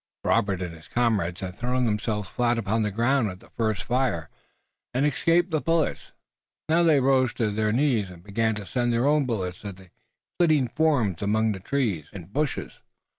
Robert and his comrades had thrown themselves flat upon the ground at the first fire, and escaped the bullets. Now they rose to their knees, and began to send their own bullets at the flitting forms among the trees and bushes.